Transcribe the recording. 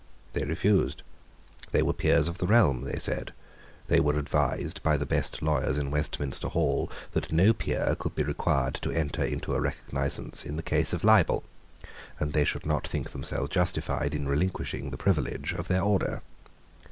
They refused. They were peers of the realm, they said. They were advised by the best lawyers in Westminster Hall that no peer could be required to enter into a recognisance in a case of libel; and they should not think themselves justified in relinquishing the privilege of their order.